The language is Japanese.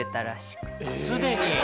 すでに？